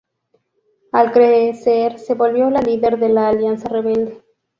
Al crecer se volvió la líder de la Alianza Rebelde.